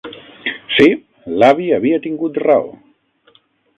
Sí, l'avi havia tingut raó!